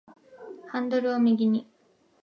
ハンドルを右に